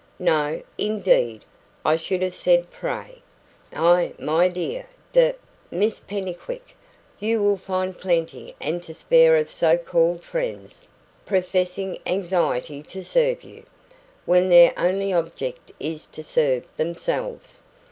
"No, indeed; I should have said 'prey'. Ah, my dear De Miss Pennycuick, you will find plenty and to spare of so called friends, professing anxiety to serve you, when their only object is to serve themselves."